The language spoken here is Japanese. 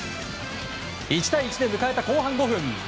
１対１で迎えた後半５分。